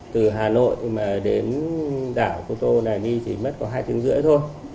từ hà nội mà đến đảo cô tô này đi chỉ mất có hai tiếng rưỡi thôi